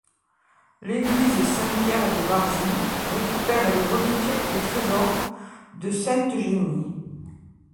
L'église Saint-Pierre de Varzy récupère les reliques et trésors de Sainte-Eugénie.